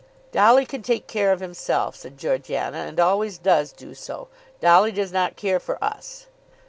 "Dolly can take care of himself," said Georgiana, "and always does do so. Dolly does not care for us."